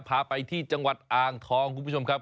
พาไปที่จังหวัดอ่างทองคุณผู้ชมครับ